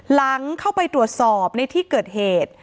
หลังเข้าไปตรวจสอบในที่เกิดเหตุ